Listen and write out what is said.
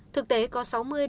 thực tế có sáu mươi bảy mươi